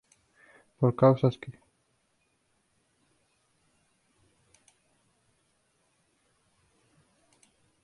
Por causas que se desconocen, a último momento no participó.